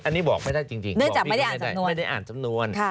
อันนี้บอกไม่ได้จริงบอกพี่ไม่ได้อ่านสำนวน